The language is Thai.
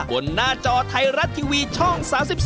หน้าจอไทยรัฐทีวีช่อง๓๒